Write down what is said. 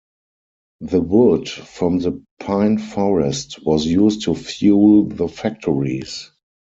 The wood from the pine forest was used to fuel the factories.